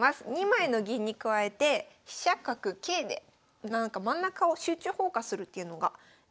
２枚の銀に加えて飛車角桂で真ん中を集中砲火するっていうのが狙いになります。